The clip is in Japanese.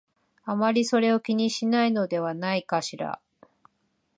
あまりそれを気にしないのではないかしら